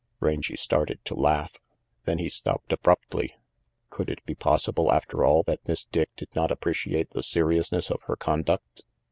Rangy started to laugh; then he stopped abruptly. Could it be possible, after all, that Miss Dick did not appreciate the seriousness of her conduct?